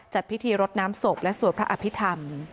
จัดพิธีรดน้ำศพและสวดพระอภิษฐรรม